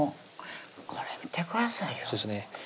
これ見てくださいよ